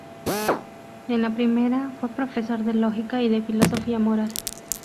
En la primera fue profesor de Lógica y de Filosofía Moral.